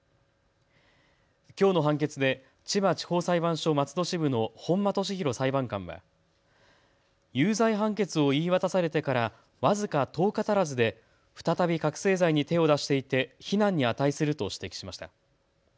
きょうの判決で千葉地方裁判所松戸支部の本間敏広裁判官は有罪判決を言い渡されてから僅か１０日足らずで再び覚醒剤に手を出していて非難に値すると指摘しました。